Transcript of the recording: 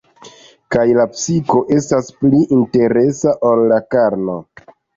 Kaj la psiko estas pli interesa ol la karno.